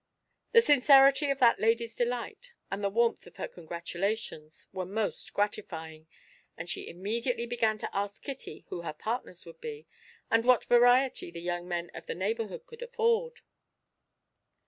The sincerity of that lady's delight, and the warmth of her congratulations, were most gratifying, and she immediately began to ask Kitty who her partners would be, and what variety the young men of the neighbourhood could afford.